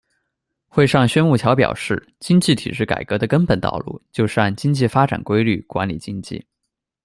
会上薛暮桥表示，经济体制改革的根本道路就是按经济发展规律管理经济。